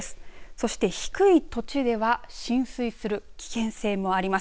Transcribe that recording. そして低い土地では浸水する危険性もあります。